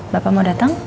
bapak mau datang